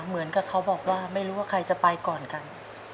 เหมือนกับเขาบอกว่าไม่รู้ว่าใครจะไปก่อนกัน